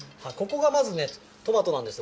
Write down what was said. ここがまずね、トマトなんです。